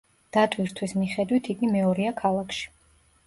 დატვირთვის მიხედვით, იგი მეორეა ქალაქში.